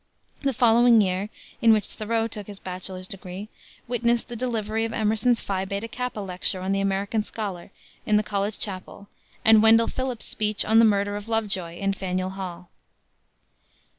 The following year in which Thoreau took his bachelor's degree witnessed the delivery of Emerson's Phi Beta Kappa lecture on the American Scholar in the college chapel and Wendell Phillips's speech on the Murder of Lovejoy in Faneuil Hall.